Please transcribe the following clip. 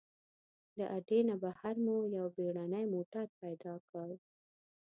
د اډې نه بهر مو یو بېړنی موټر پیدا کړ.